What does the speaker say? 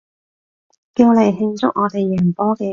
叫嚟慶祝我哋贏波嘅